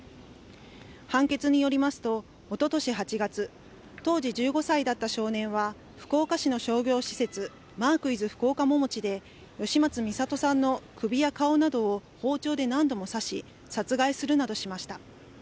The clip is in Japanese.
判決によりますと、おととし８月、当時１５歳だった少年は、福岡市の商業施設、マークイズ福岡ももちで、吉松弥里さんの首や顔などを包丁で何度も刺し、殺害するなどしました。